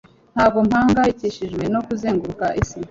ntabwo mpangayikishijwe no kuzenguruka isi.